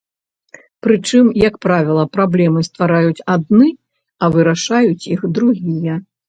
Прычым, як правіла, праблемы ствараюць адны, а вырашаюць іх другія.